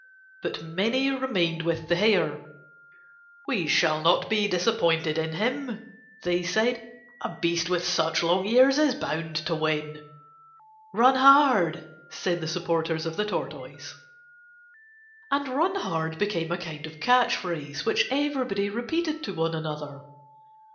But many remained with the Hare. "We shall not be disappointed in him," they said. "A beast with such long ears is bound to win." "Run hard," said the supporters of the Tortoise. And "run hard" became a kind of catch phrase which everybody repeated to one another.